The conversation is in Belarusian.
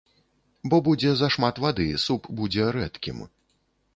Бо будзе зашмат вады, суп будзе рэдкім.